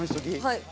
はい。